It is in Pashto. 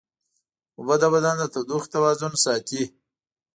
اوبه د بدن د تودوخې توازن ساتي